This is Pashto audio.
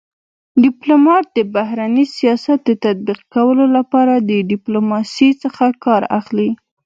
ډيپلومات دبهرني سیاست د تطبيق کولو لپاره د ډيپلوماسی څخه کار اخلي.